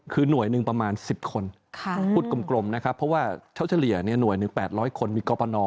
คือหน่วยหนึ่งประมาณ๑๐คนพูดกลมนะครับเพราะว่าเขาเฉลี่ยหน่วยหนึ่ง๘๐๐คนมีกรปน